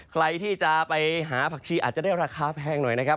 ใครที่จะไปหาผักชีอาจจะได้ราคาแพงหน่อยนะครับ